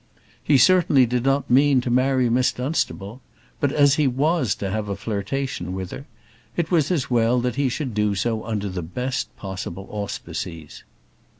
He certainly did not mean to marry Miss Dunstable; but as he was to have a flirtation with her, it was well that he should do so under the best possible auspices.